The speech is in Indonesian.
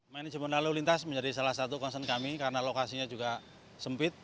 manajemen lalu lintas menjadi salah satu concern kami karena lokasinya juga sempit